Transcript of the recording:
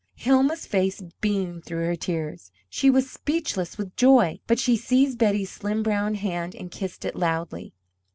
Hilma's face beamed through her tears. She was speechless with joy, but she seized Betty's slim brown hand and kissed it loudly.